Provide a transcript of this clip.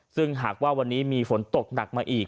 ซึ่งหากว่าวันนี้มีฝนตกหนักมาอีก